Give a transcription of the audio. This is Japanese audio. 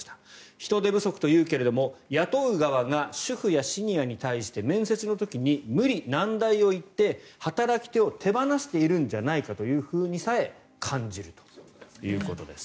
人手不足というけれども雇う側が主婦やシニアに対して面接の時に無理難題を言って働き手を手放しているんじゃないかというふうにさえ感じるということです。